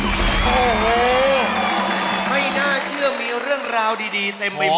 โอ้โหไม่น่าเชื่อมีเรื่องราวดีเต็มไปหมด